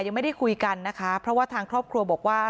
ยังไม่ได้คุยกันนะคะเพราะว่าทางครอบครัวบอกว่า